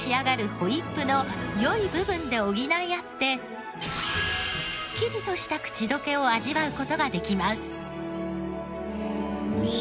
ホイップの良い部分で補い合ってすっきりとした口溶けを味わう事ができます。